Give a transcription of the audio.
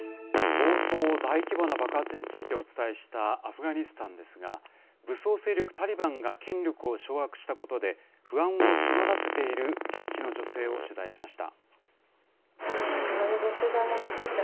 冒頭、大規模な爆発についてお伝えしたアフガニスタンですが、武装勢力タリバンが権力を掌握したことで、不安を募らせている現地の女性を取材しました。